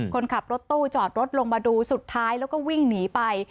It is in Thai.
คนขับรถตู้จอดรถลงมาดูสุดท้ายแล้วก็วิ่งหนีไป